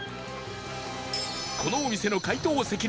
このお店の解答責任者